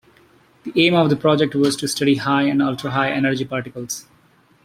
The aim of the project was to study high and ultra-high energy particles.